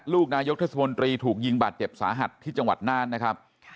ลูกนายกเทศมนตรีถูกยิงบาดเจ็บสาหัสที่จังหวัดน่านนะครับ